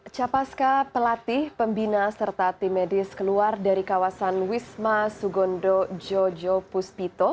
capaska pelatih pembina serta tim medis keluar dari kawasan wisma sugondo jojo puspito